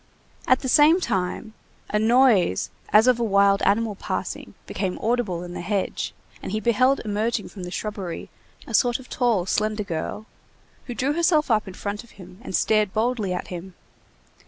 At the same time, a noise as of a wild animal passing became audible in the hedge, and he beheld emerging from the shrubbery a sort of tall, slender girl, who drew herself up in front of him and stared boldly at him.